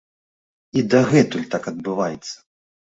І дагэтуль так адбываецца!